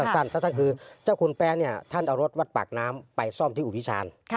สั้นคือเจ้าคุณแป๊ะท่านเอารถวัดปากน้ำไปซ่อมที่อุพิชาญ